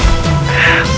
sama sama dengan kamu